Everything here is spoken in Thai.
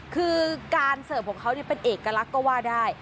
คือการเสิร์ฟของเขาเป็นเอกลักษณ์ก็ว่าได้